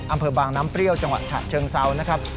อำเภอบางน้ำเปรี้ยวจังหวัดฉะเชิงเซานะครับ